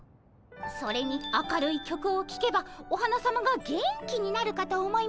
それに明るい曲をきけばお花さまが元気になるかと思いまして。